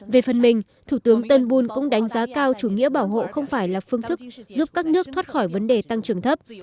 về phần mình thủ tướng turnbul cũng đánh giá cao chủ nghĩa bảo hộ không phải là phương thức giúp các nước thoát khỏi vấn đề tăng trưởng thấp